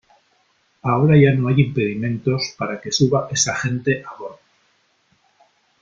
ahora ya no hay impedimentos para que suba esa gente a bordo .